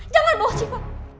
jangan bawa syifa